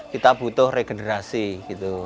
kita butuh regenerasi gitu